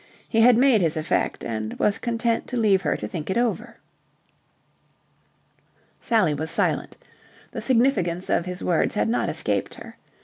He had made his effect, and was content to leave her to think it over. Sally was silent. The significance of his words had not escaped her.